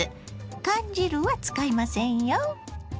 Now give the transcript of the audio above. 缶汁は使いませんよ。